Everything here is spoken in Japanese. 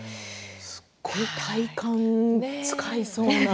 すごい体幹を使いそうな。